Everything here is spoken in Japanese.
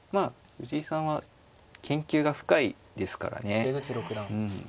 藤井さんは研究が深いですからねうん。